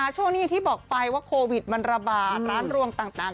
ช่วงนี้อย่างที่บอกไปว่าโควิดมันระบาดร้านรวงต่าง